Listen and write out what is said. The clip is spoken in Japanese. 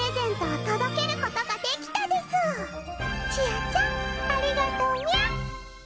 ちあちゃんありがとうみゃ！